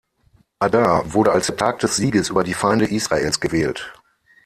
Adar wurde als der Tag des Sieges über die Feinde Israels gewählt.